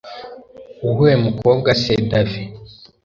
uwuhe mukobwa se davi!